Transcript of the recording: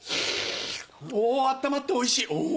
おぉ温まっておいしいおぉ！